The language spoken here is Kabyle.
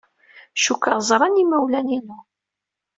Cikkeɣ ẓran yimawlan-inu.